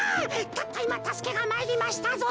たったいまたすけがまいりましたぞ。